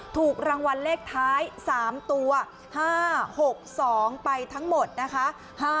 ถูกรางวัลเลขท้าย๓ตัว๕๖๒ไปทั้งหมดนะคะ